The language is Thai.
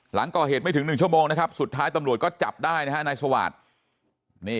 หลังก่อเหตุไม่ถึง๑ชั่วโมงนะครับสุดท้ายตำรวจก็จับได้นะฮะนายสวาส